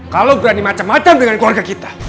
kalau berani macam macam dengan keluarga kita